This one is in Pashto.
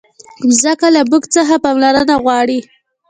مځکه له موږ څخه پاملرنه غواړي.